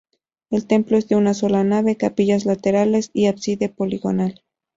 El templo es de una sola nave, capillas laterales y ábside poligonal.